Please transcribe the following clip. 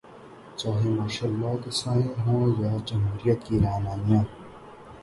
چاہے martial law کے سائے ہوں یا جمہوریت کی رعنائیاں۔